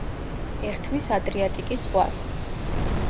ერთვის ადრიატიკის ზღვას.